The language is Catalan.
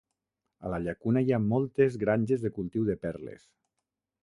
A la llacuna hi ha moltes granges de cultiu de perles.